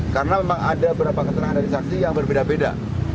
karena memang ada beberapa keterangan dari saksi yang berbeda beda